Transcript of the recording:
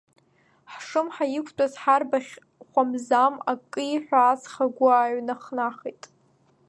Ҳшымҳа иқәтәаз ҳарбаӷь хәамзам акиҳәа аҵх агәы ааиҩнахит!